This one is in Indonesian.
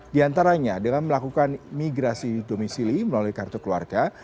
di antaranya dengan melakukan migrasi domisili melalui kartu keluarga